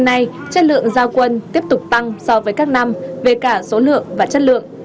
hôm nay chất lượng giao quân tiếp tục tăng so với các năm về cả số lượng và chất lượng